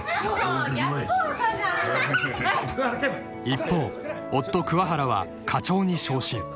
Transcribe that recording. ［一方夫桑原は課長に昇進］